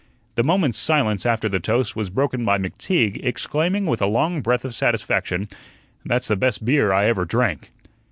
The moment's silence after the toast was broken by McTeague exclaiming with a long breath of satisfaction: "That's the best beer I ever drank."